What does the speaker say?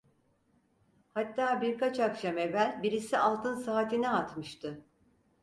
Hatta birkaç akşam evvel birisi altın saatini atmıştı.